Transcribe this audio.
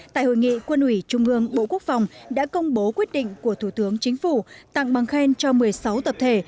tại hội nghị quân ủy trung ương bộ quốc phòng đã công bố quyết định của thủ tướng chính phủ tặng bằng khen cho một mươi sáu tập thể